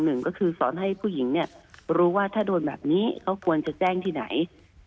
หนึ่งก็คือสอนให้ผู้หญิงเนี่ยรู้ว่าถ้าโดนแบบนี้เขาควรจะแจ้งที่ไหน